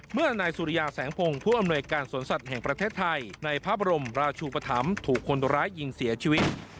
นายสุริยาแสงพงศ์ผู้อำนวยการสวนสัตว์แห่งประเทศไทยในพระบรมราชูปธรรมถูกคนร้ายยิงเสียชีวิต